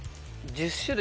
１０種類！